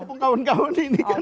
atau kawan kawan ini kan